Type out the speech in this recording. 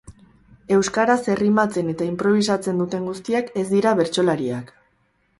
Euskaraz errimatzen eta inprobisatzen duten guztiak ez dira bertsolariak.